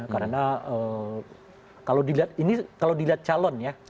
karena kalau dilihat calon ya